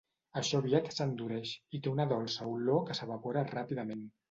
Això aviat s'endureix, i té una dolça olor que s'evapora ràpidament.